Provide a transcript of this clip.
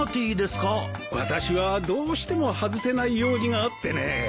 私はどうしても外せない用事があってね。